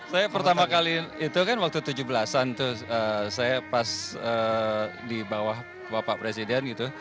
saya pertama kali itu kan waktu tujuh belas an tuh saya pas di bawah bapak presiden gitu